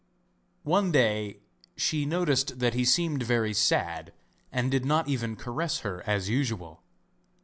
One day she noticed that he seemed very sad and did not even caress her as usual.